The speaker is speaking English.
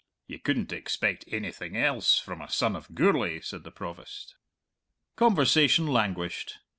"Ye couldn't expect ainything else from a son of Gourlay," said the Provost. Conversation languished.